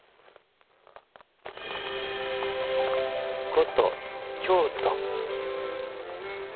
古都京都。